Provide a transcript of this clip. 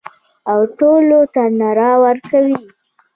او ټولو ته رڼا ورکوي.